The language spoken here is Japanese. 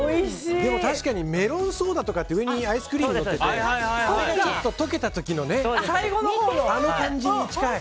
確かにメロンソーダとかって上にアイスクリームがのっててあれがちょっと溶けた時のねあの感じに近い。